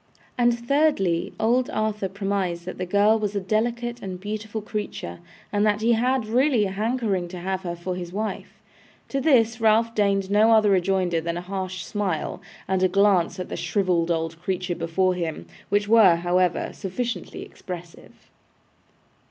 And, thirdly, old Arthur premised that the girl was a delicate and beautiful creature, and that he had really a hankering to have her for his wife. To this Ralph deigned no other rejoinder than a harsh smile, and a glance at the shrivelled old creature before him, which were, however, sufficiently expressive.